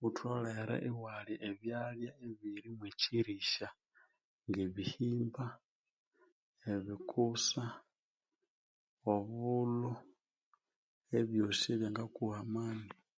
Ghutholere iwalya ebyalya ebiri mwekirisya ngebihimba, ebikusa, obulho ebyoosi ebya ngakuha amani